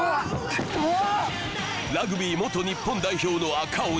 ラグビー元日本代表の赤鬼